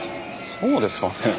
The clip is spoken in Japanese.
そうですかね。